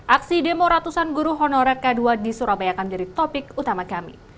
aksi demo ratusan guru honorer k dua di surabaya akan menjadi topik utama kami